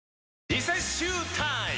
リセッシュータイム！